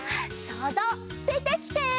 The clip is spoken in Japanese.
そうぞうでてきて！